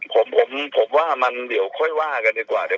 ผมจำก็ว่ามันเดี๋ยวค่อยว่ากันดีกว่าช่า